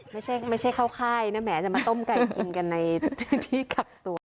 ไม่ใช่เข้าค่ายนะแหมจะมาต้มไก่กินกันในที่กักตัว